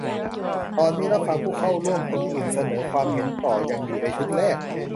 ตอนนี้รับฟังผู้เข้าร่วมคนอื่นเสนอความเห็นต่อ ยังอยู่ในชุดแรก